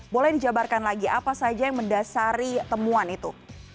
boleh dijabarkan lagi apa saja yang mendasari temuan itu